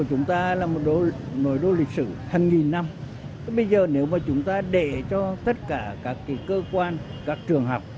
chúng ta không có điều kiện mở rộng bởi vì nó quá chật hẹp